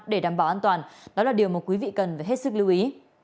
để đảm bảo an toàn đó là điều mà quý vị cần phải hết sức lưu ý